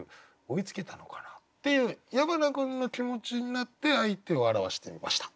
追いつけたのかなっていう矢花君の気持ちになって相手を表してみました。